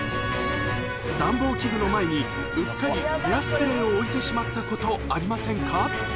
暖房器具の前にうっかりヘアスプレーを置いてしまったこと、ありませんか？